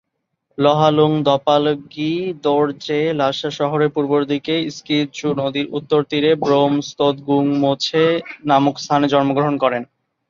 ল্হা-লুং-দ্পালগ্যি-র্দো-র্জে Lhasa শহরের পূর্বদিকে স্ক্যিদ-চু নদীর উত্তর তীরে 'ব্রোম-স্তোদ-গুং-মো-ছে নামক স্থানে জন্মগ্রহণ করেন।